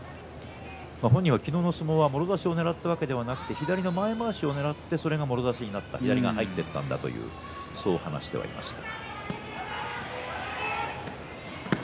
本人は昨日の相撲はもろ差しをねらったわけではなくて左の前まわしをねらってそれがもろ差しになった、左が入っていったんだと話していました。